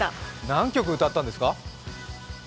何曲歌ったんですか？